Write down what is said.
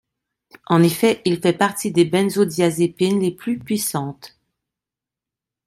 En effet, il fait partie des benzodiazépines les plus puissantes.